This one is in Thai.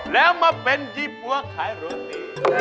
แล้วมาเป็นยี่ปั๊วขายโรตี